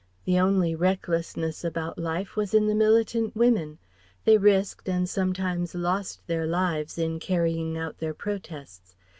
The only recklessness about life was in the militant women. They risked and sometimes lost their lives in carrying out their protests.